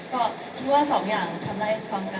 ก็คิดว่าสองอย่างทำได้ความรัก